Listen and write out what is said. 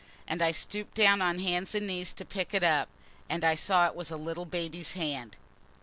And I stooped down on hands and knees to pick it up. And I saw it was a little baby's hand."